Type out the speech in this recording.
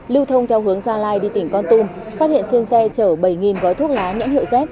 lưu thông theo hướng gia lai đi tỉnh con tum phát hiện trên xe chở bảy gói thuốc lá nhãn hiệu z